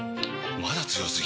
まだ強すぎ？！